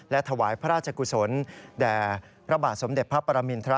และถวายพระราชกุศลแด่พระบาทสมเด็จพระปรมินทร